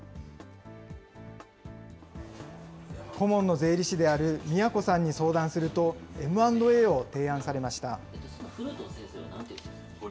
顧問の税理士である都さんに相談すると、Ｍ＆Ａを提案されました。